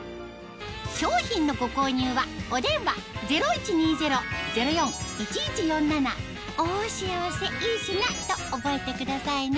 商品のご購入はお電話０１２０−０４−１１４７と覚えてくださいね